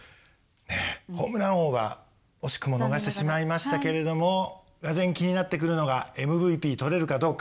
ホームラン王は惜しくも逃してしまいましたけれどもがぜん気になってくるのがＭＶＰとれるかどうか。